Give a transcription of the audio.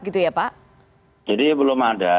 gitu ya pak jadi belum ada